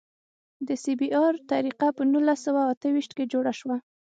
د سی بي ار طریقه په نولس سوه اته ویشت کې جوړه شوه